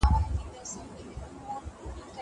دا قلمان له هغو ښه دي!!